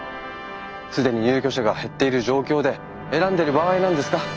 既に入居者が減っている状況で選んでる場合なんですか？